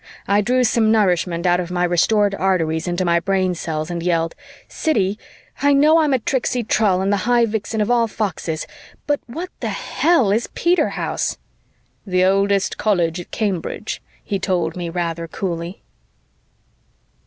I drew some nourishment out of my restored arteries into my brain cells and yelled, "Siddy, I know I'm a tricksy trull and the High Vixen of all Foxes, but what the Hell is Peterhouse?" "The oldest college at Cambridge," he told me rather coolly.